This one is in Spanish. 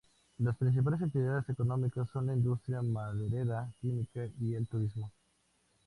Las principales actividades económicas son la industria maderera, química y el turismo.